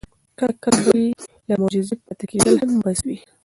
کله کله بې له معجزې پاتې کېدل هم بس وي.